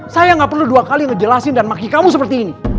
saya gak perlu dua kali ngejelasin dan maki kamu seperti ini